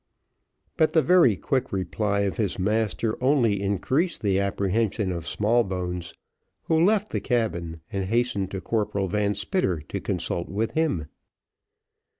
But the very quick reply of his master only increased the apprehension of Smallbones, who left the cabin, and hastened to Corporal Van Spitter, to consult with him.